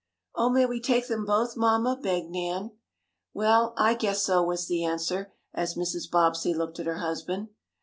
"Oh, may we take them both, mamma?" begged Nan. "Well, I guess so," was the answer, as Mrs. Bobbsey looked at her husband.